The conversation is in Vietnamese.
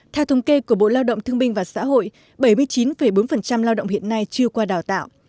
theo thống kê của bộ lao động thương binh và xã hội bảy mươi chín bốn lao động hiện nay chưa qua đào tạo